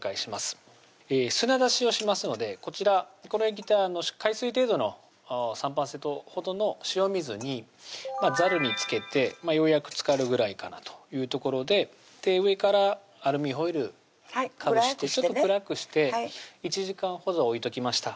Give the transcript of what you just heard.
砂出しをしますのでこちらこの液体海水程度の３％ほどの塩水にざるにつけてようやくつかるぐらいかなというところで上からアルミホイルかぶしてちょっと暗くして１時間ほど置いときました